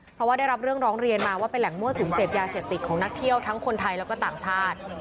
เพราะว่าได้รับเรื่องร้องเรียนมาว่าเป็นแหล่งมั่วสุมเสพยาเสพติดของนักเที่ยวทั้งคนไทยแล้วก็ต่างชาติ